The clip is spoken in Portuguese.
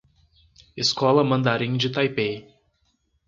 Escola Mandarim de Taipei